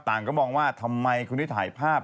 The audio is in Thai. ต่างก็มองว่าทำไมคุณที่ถ่ายภาพ